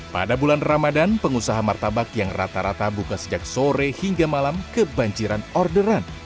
pada bulan ramadan pengusaha martabak yang rata rata buka sejak sore hingga malam kebanjiran orderan